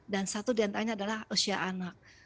dan satu diantaranya adalah usia anak